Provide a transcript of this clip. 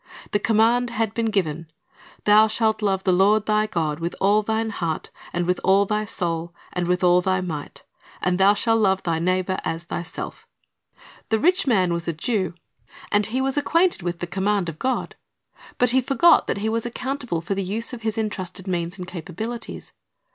The command had been given, "Thou shalt love the Lord thy God with all thine heart, and with all thy soul, and with allthy might;" and "thou shalt love thy neighbor as thyself"^ The rich man was a Jew, and he 1 Deut. 6:5; Lev. 19: iS 262 Christ's Object Lessons was acquainted with the command of God. But he forgot that he was accountable for the use of his entrusted means and capabihties.